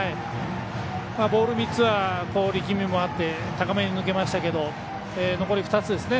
ボール３つは、力みもあって高めに抜けましたけど残り２つですね。